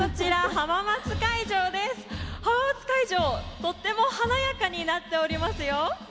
とっても華やかになっておりますよ。